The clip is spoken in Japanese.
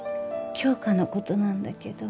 杏花のことなんだけど